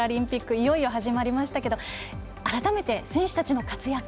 いよいよ始まりましたけど改めて選手たちの活躍